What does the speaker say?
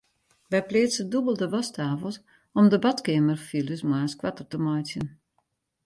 Wy pleatse dûbelde wasktafels om de badkeamerfiles moarns koarter te meitsjen.